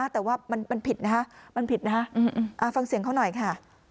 แต่ว่ามันผิดนะคะมันผิดนะฮะฟังเสียงเขาหน่อยค่ะ